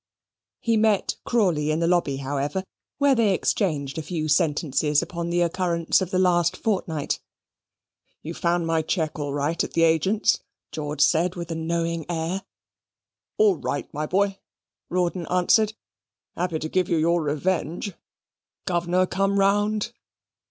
He met Crawley in the lobby, however, where they exchanged a few sentences upon the occurrences of the last fortnight. "You found my cheque all right at the agent's? George said, with a knowing air. "All right, my boy," Rawdon answered. "Happy to give you your revenge. Governor come round?"